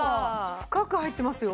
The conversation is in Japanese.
深く入ってますよ。